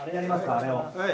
あれを。